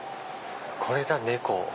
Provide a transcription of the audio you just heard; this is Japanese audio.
これだ猫。